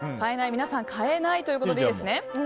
皆さん、変えないということでいいですね？